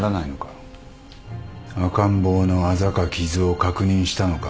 赤ん坊のあざか傷を確認したのか？